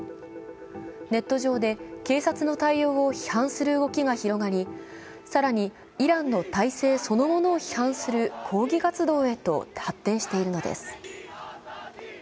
ネット上で警察の対応を批判する動きが広がり、更にイランの体制そのものを批判する抗議活動へと発展しているのです。